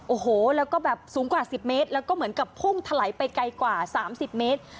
โอ้โหแล้วก็แบบสูงกว่า๑๐เมตรแล้วก็เหมือนกับพุ่งถลายไปไกลกว่า๓๐เมตร